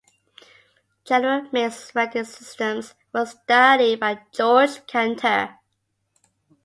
General mixed radix systems were studied by Georg Cantor.